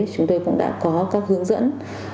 chúng tôi cũng đã có các hướng dẫn